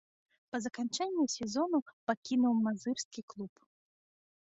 Па заканчэнні сезону пакінуў мазырскі клуб.